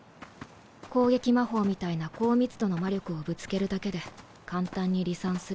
攻撃魔法みたいな高密度の魔力をぶつけるだけで簡単に離散する。